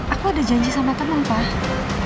aku ada janji sama temen pak